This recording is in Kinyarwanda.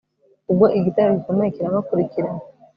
ubwo igitero gikomeye kirabakurikirana